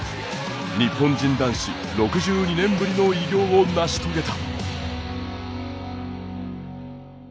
日本人男子６２年ぶりの偉業を成し遂げた。